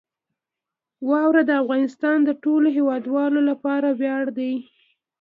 واوره د افغانستان د ټولو هیوادوالو لپاره ویاړ دی.